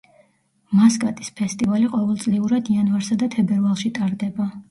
მასკატის ფესტივალი ყოველწლიურად იანვარსა და თებერვალში ტარდება.